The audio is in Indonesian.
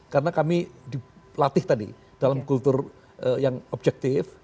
karena kami latih tadi dalam kultur yang objektif